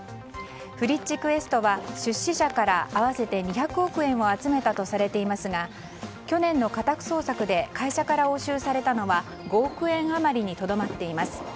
フリッチクエストは、出資者から合わせて２００億円を集めたとされていますが去年の家宅捜索で会社から押収されたのは５億円余りにとどまっています。